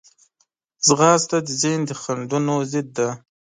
ځغاسته د ذهن د خنډونو ضد ده